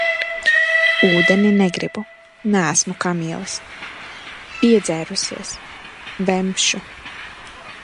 Ūdeni negribu, neesmu kamielis. Piedzērusies! Vemšu.